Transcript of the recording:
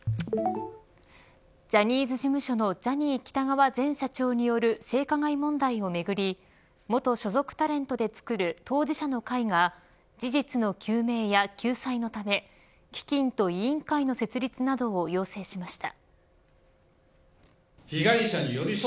ジャニーズ事務所のジャニー喜多川前社長による性加害問題をめぐり元所属タレントでつくる当事者の会が事実の究明や救済のため基金と委員会の設立などを要請しました。